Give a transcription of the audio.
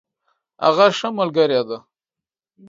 هغه ښه ملګرې ده.